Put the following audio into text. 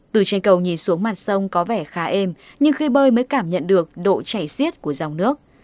từ trên cầu nhìn xuống mặt sông có vẻ khá êm nhưng khi bơi mới cảm nhận được độ chảy xiết của dòng nước